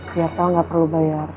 biar el gak perlu bayar